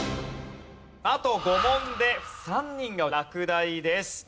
あと５問で３人が落第です。